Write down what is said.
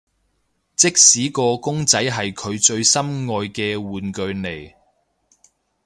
即使個公仔係佢最心愛嘅玩具嚟